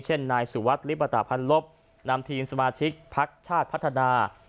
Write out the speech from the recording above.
เช่นนายสุวัสดิ์ลิปตาพันธ์ลบนามทีมสมาชิกภาคชาติพัฒนา